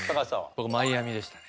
僕マイアミでしたね。